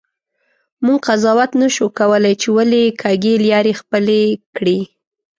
مونږ قضاوت نسو کولی چې ولي کږې لیارې خپلي کړي.